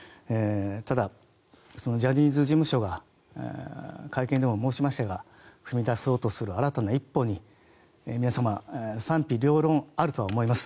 ただ、ジャニーズ事務所が会見でも申しましたが踏み出そうとする新たな一歩に皆様賛否両論あるとは思います。